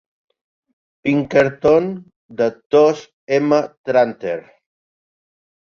Pinkerton de Thos M. Tranter.